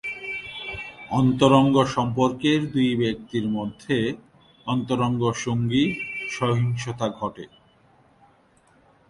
অন্তরঙ্গ সম্পর্কের দুই ব্যক্তির মধ্যে অন্তরঙ্গ সঙ্গী সহিংসতা ঘটে।